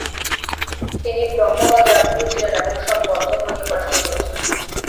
তিনি ব্রহ্মবাদে আগ্রহী ছিলেন এবং সব বড় ধর্ম নিয়ে পড়াশোনা করেছেন।